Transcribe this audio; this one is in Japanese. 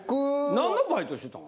何のバイトしてたん？